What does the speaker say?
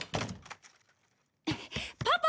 パパ！